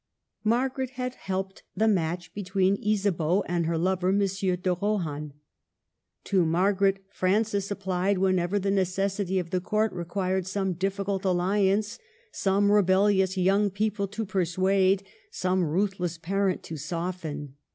Margaret had helped the match between Isabeau and her lover M. de Rohan. To Margaret Francis applied whenever the neces sities of the Court required some difficult alli ance, some rebellious young people to persuade, some ruthless parent to soften.